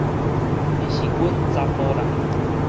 伊是阮查埔人